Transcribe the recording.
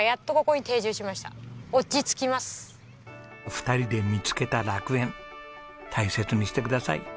２人で見つけた楽園大切にしてください。